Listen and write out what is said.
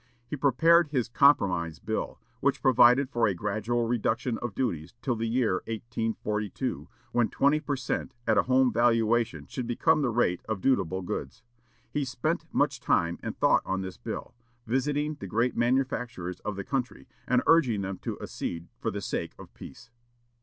He prepared his "Compromise Bill," which provided for a gradual reduction of duties till the year 1842, when twenty per cent. at a home valuation should become the rate on dutiable goods. He spent much time and thought on this bill, visiting the great manufacturers of the country, and urging them to accede for the sake of peace.